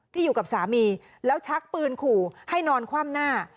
อยู่กับสามีแล้วชักปืนขู่ให้นอนคว่ำหน้า